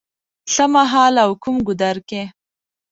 څه مهال او کوم ګودر کې